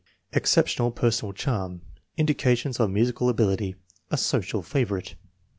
Exceptional personal charm. Indications of musical ability. A social favorite.